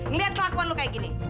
ngelihat kelakuan lu kayak gini